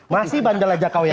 masih bandel aja kau ya